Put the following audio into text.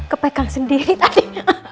kepegang sendiri tadi